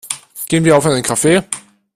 Gehen wir auf einen Kaffee?